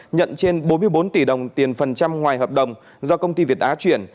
nhận trên bốn mươi bốn tỷ đồng tiền phần trăm ngoài hợp đồng do công ty việt á chuyển